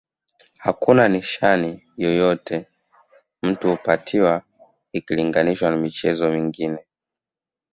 Hakuna nishani yoyote mtu hupatiwa ikilinganishwa na michezo mingine